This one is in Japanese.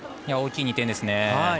大きい２点ですね。